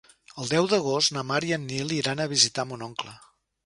El deu d'agost na Mar i en Nil iran a visitar mon oncle.